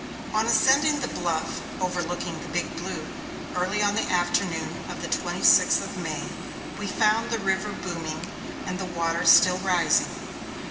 On ascending the bluff overlooking the Big Blue, early on the afternoon of the twenty sixth of May, we found the river booming, and the water still rising.